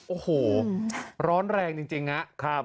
โอ้โหร้อนแรงจริงครับ